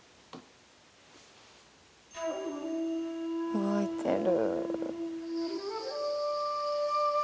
動いてる。